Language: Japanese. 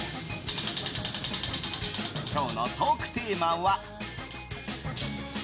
今日のトークテーマは。